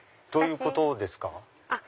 どういうことですか？